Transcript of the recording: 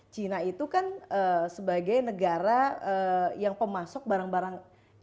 china itu kan sebagai negara yang pemasok barang barang impor